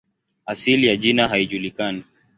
Asili ya jina haijulikani.